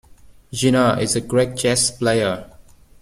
Gina is a great chess player.